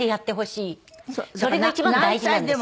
それが一番大事なんです。